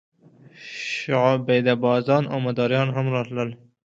شعبده بازان او مداریان هم راتلل.